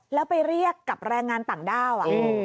แล้วไปเรียกกับแรงงานต่างด้าว